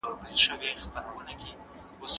د ارامۍ احساس پر ځان باور زیاتوي.